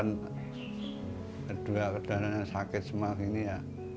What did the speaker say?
cuma keadaan kedua duanya sakit semua gini ya